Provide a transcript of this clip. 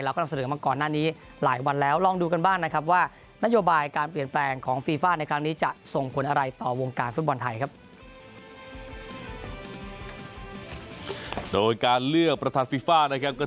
เราก็ทำเสดอกันมาก่อนหน้านี้หลายวันแล้ว